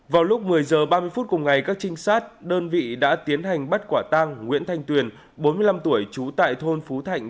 vào lúc một mươi h ba mươi phút cùng ngày các trinh sát đơn vị đã tiến hành bắt quả tang nguyễn thanh tuyền bốn mươi năm tuổi trú tại thôn phú thạnh